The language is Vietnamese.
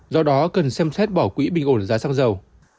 do đó cần xem xét bỏ quỹ bình ổn giá xăng dầu